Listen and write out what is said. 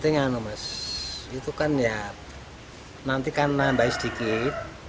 nanti karena nambah sedikit